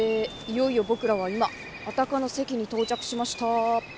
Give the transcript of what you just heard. いよいよ僕らは今安宅の関に到着しました。